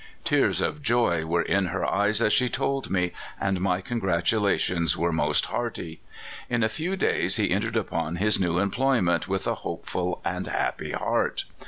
Tears of joy were in her eyes as she told me, and my congratulations were most hearty. In a few days he entered upon his new employment with a hopeful and happy heart.